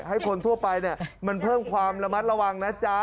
ให้คนทั่วไปมันเพิ่มความระมัดระวังนะจ๊ะ